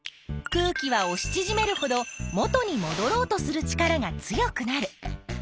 空気はおしちぢめるほど元にもどろうとする力が強くなる。